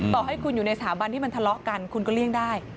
ต่อให้คุณอยู่ในสถาบันที่มันทะเลาะกันคุณก็เลี่ยงได้